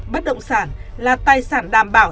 bất động sản là tài sản đảm bảo